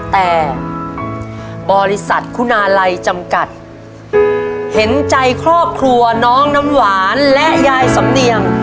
แต่บริษัทคุณาลัยจำกัดเห็นใจครอบครัวน้องน้ำหวานและยายสำเนียง